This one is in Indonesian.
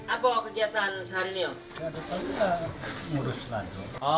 apa kegiatan sehari ini oh